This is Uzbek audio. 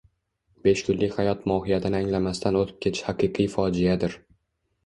besh kunlik hayot mohiyatini anglamasdan o‘tib ketish haqiqiy fojiadir.